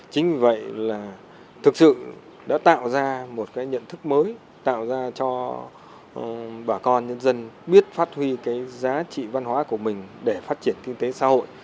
chính vì vậy là thực sự đã tạo ra một cái nhận thức mới tạo ra cho bà con nhân dân biết phát huy cái giá trị văn hóa của mình để phát triển kinh tế xã hội